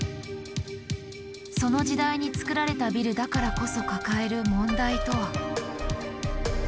その時代に造られたビルだからこそ抱える問題とは。